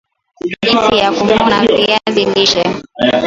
jinsi ya kuvuna viazi lishe